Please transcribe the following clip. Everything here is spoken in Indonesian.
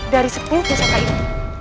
dari sepuluh pusaka itu